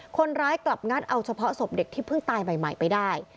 คนร้ายกลับงัดเอาเฉพาะศพเด็กที่เพิ่งตายใหม่ไปได้